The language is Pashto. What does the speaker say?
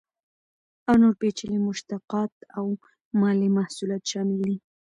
او نور پیچلي مشتقات او مالي محصولات شامل دي.